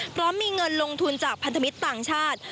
เพราะมีเงินลงทุนจากพันธมิตรต่างชาติ